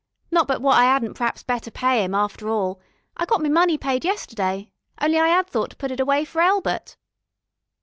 Not but what I 'adn't p'raps better pay 'im after all. I got me money paid yesterday, on'y I 'ad thought to put it away for Elbert."